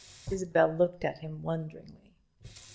Isabel looked at him wonderingly.